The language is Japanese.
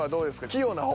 器用な方？